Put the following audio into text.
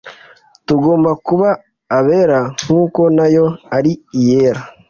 tugomba kuba abera nkuko nayo ari Iyera.